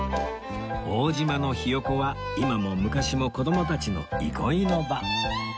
大島のひよこは今も昔も子供たちの憩いの場